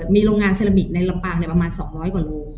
มีโรงงานเซราบิในลำปางประมาณ๒๐๐กว่าโล